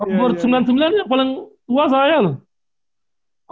umur sembilan puluh sembilan yang paling tua saya loh